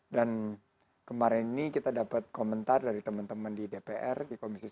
dan kemarin ini kita dapat komentar dari teman teman di dpr di komisi sepuluh